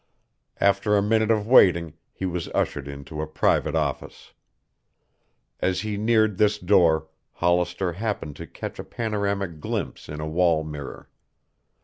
After a minute of waiting he was ushered into a private office. As he neared this door, Hollister happened to catch a panoramic glimpse in a wall mirror.